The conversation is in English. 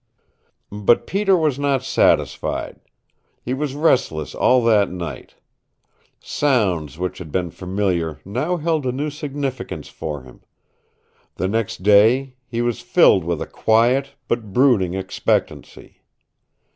But Peter was not satisfied. He was restless all that night. Sounds which had been familiar now held a new significance for him. The next day he was filled with a quiet but brooding expectancy.